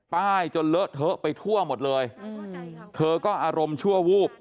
จนเลอะเทอะไปทั่วหมดเลยเธอก็อารมณ์ชั่ววูบ